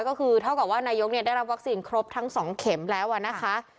ก็คือเท่ากับว่านายกได้รับวัคซีนครบทั้ง๒เข็มแล้วนะคะ